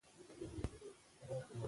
بې ځایه خلع مکروه ده.